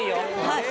はい。